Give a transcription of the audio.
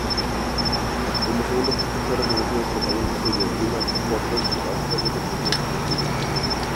Como segundo jefe fue reconocido otro pariente suyo, William Forbes, habitualmente conocido como Willie.